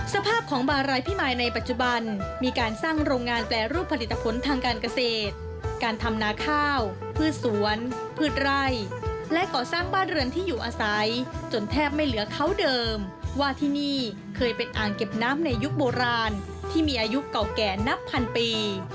สภาพของบารายพิมายในปัจจุบันมีการสร้างโรงงานแปรรูปผลิตผลทางการเกษตรการทำนาข้าวพืชสวนพืชไร่และก่อสร้างบ้านเรือนที่อยู่อาศัยจนแทบไม่เหลือเขาเดิมว่าที่นี่เคยเป็นอ่างเก็บน้ำในยุคโบราณที่มีอายุเก่าแก่นับพันปี